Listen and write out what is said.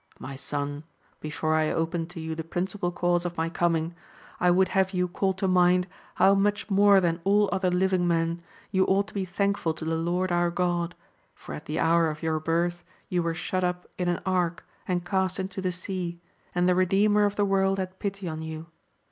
My son, before I open to you the principal cause of my coming, I would have you call to mind how much more than all other living men you ought to be thankful to the Lord our God, for at the hour of your birth you were shut lip in an ark, and cast into the sea, and the Kedeemer of the world had pity on you.